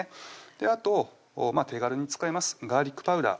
あと手軽に使えますガーリックパウダー